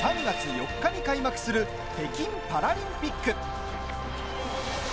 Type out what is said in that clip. ３月４日に開幕する北京パラリンピック。